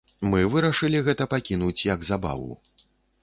Мы вырашылі гэта пакінуць як забаву.